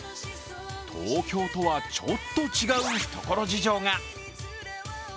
東京とはちょっと違う懐事情が。